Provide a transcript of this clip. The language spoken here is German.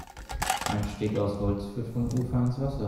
Ein Steg aus Holz führt vom Ufer ins Wasser.